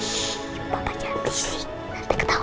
selepas apa melau